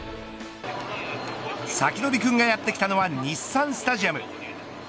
サキドリくんがやってきたのは日産スタジアム。